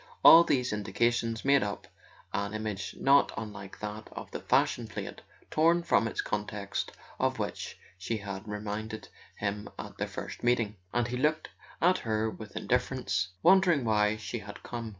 All these indications made up an image not unlike that of the fashion plate torn from its context of which she had reminded him at their first meeting; and he looked at her with indifference, wondering why she had come.